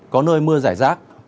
có nơi mưa rải rác